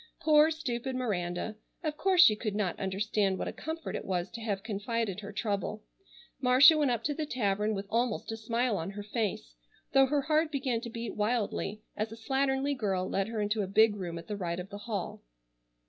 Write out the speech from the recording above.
Poor stupid Miranda! Of course she could not understand what a comfort it was to have confided her trouble. Marcia went up to the tavern with almost a smile on her face, though her heart began to beat wildly as a slatternly girl led her into a big room at the right of the hall.